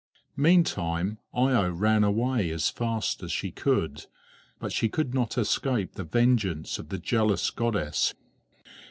Meantime Io ran away as fast as she could, but she could not escape the vengeance of the jealous goddess.